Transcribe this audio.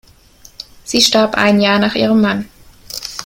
Sie starb ein Jahr nach ihrem Mann.